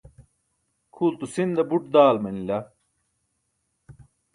Khuulto sinda buț daal manila.